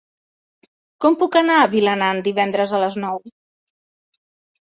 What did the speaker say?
Com puc anar a Vilanant divendres a les nou?